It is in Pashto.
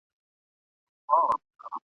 چي ملخ ته یې نیژدې کړله مشوکه !.